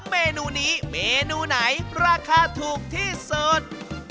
เมนูนี้เมนูไหนราคาถูกที่สุด